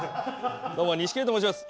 どうも錦鯉と申します。